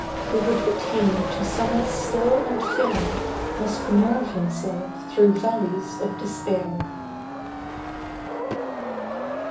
Who would attain to summits still and fair, Must nerve himself through valleys of despair.